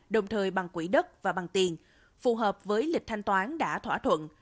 đồng thời bằng quỹ đất và bằng tiền phù hợp với lịch thanh toán đã thỏa thuận